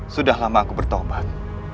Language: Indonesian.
sudah lama aku bertobat